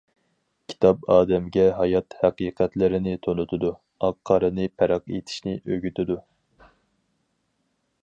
كىتاب ئادەمگە ھايات ھەقىقەتلىرىنى تونۇتىدۇ، ئاق-قارىنى پەرق ئېتىشنى ئۆگىتىدۇ.